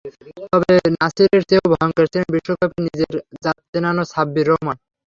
তবে নাসিরের চেয়েও ভয়ংকর ছিলেন বিশ্বকাপে নিজের জাত চেনানো সাব্বির রহমান।